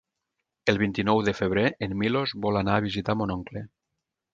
El vint-i-nou de febrer en Milos vol anar a visitar mon oncle.